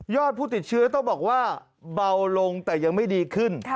ผู้ติดเชื้อต้องบอกว่าเบาลงแต่ยังไม่ดีขึ้น